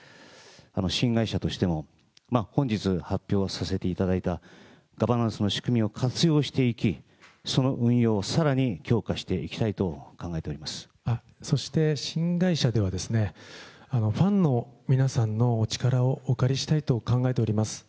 新会社としても、本日発表させていただいたガバナンスの仕組みを活用していき、その運用をさらに強化していきたいと考えておりまそして新会社では、ファンの皆さんのお力をお借りしたいと考えております。